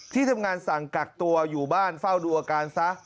ที่ทำงานสั่งกักตัวอยู่บ้านเฝ้าดูอาการซะ